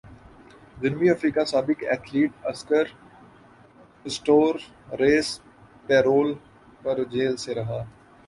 جنوبی افریقہ سابق ایتھلیٹ اسکر پسٹوریس پیرول پر جیل سے رہا